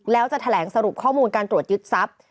แล้วจะแถลงสรุปข้อมูลการตรวจยึดทรัพย์